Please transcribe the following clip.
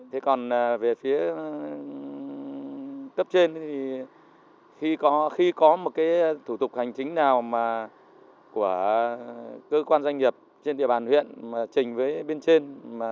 thế còn về phía cấp trên thì khi có một thủ tục hành chính nào của cơ quan doanh nghiệp trên địa bàn huyện trình với bên trên